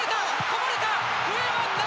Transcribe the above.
こぼれた！